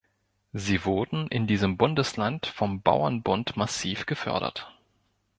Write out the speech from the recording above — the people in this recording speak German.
Sie wurden in diesem Bundesland vom Bauernbund massiv gefördert.